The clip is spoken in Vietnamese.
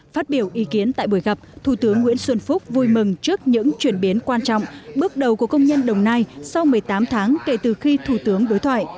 phát biểu ý kiến tại buổi gặp thủ tướng nguyễn xuân phúc vui mừng trước những chuyển biến quan trọng bước đầu của công nhân đồng nai sau một mươi tám tháng kể từ khi thủ tướng đối thoại